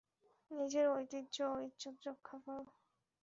নিজের ঐতিহ্য ও ইজ্জত রক্ষা কর।